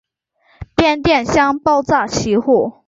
变电箱爆炸起火。